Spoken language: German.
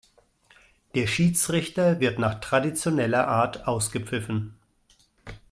Der Schiedsrichter wird nach traditioneller Art ausgepfiffen.